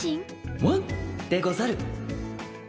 ワン！でござる